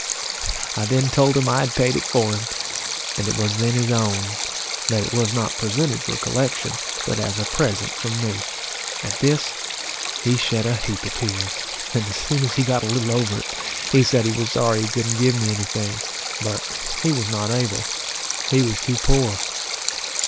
I then told him I had paid it for him, and it was then his own; that it was not presented for collection, but as a present from me. At this, he shed a heap of tears; and as soon as he got a little over it, he said he was sorry he couldn't give me any thing, but he was not able, he was too poor.